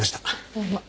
どうも。